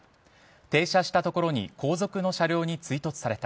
停車したところに後続の車両に追突された。